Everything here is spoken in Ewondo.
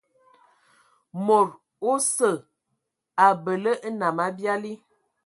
Mod osə abələ nnam abiali.